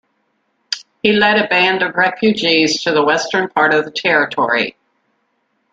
He led a band of refugees to the western part of the territory.